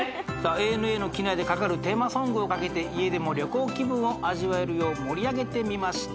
ＡＮＡの機内でかかるテーマソングをかけて家でも旅行気分を味わえるよう盛り上げてみました